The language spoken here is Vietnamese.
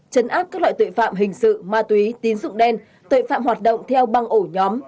chấn áp các loại tội phạm hình sự ma túy tín dụng đen tội phạm hoạt động theo băng ổ nhóm